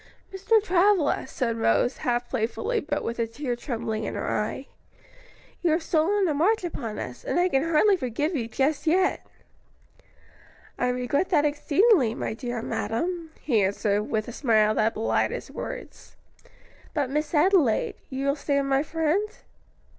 "Mr. Travilla," said Rose, half playfully but with a tear trembling in her eye, "you have stolen a march upon us, and I can hardly forgive you just yet." "I regret that exceedingly, my dear madam," he answered, with a smile that belied his words. "But Miss Adelaide, you will still stand my friend?"